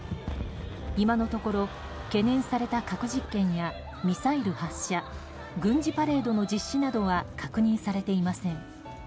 今のところ懸念された核実験やミサイル発射軍事パレードの実施などは確認されていません。